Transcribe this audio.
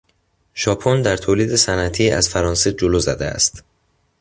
ژاپن در تولید صنعتی از فرانسه جلو زده است.